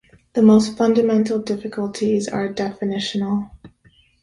The most fundamental difficulties are definitional.